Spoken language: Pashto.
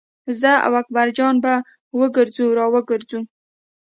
زه او اکبر جان به وګرځو را وګرځو.